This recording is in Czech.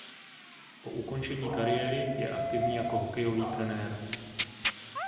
Po ukončení kariéry je aktivní jako hokejový trenér.